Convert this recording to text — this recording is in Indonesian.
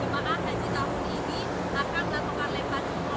yang nantinya sekitar satu juta jemaah haji tahun ini akan melakukan lempar jumroh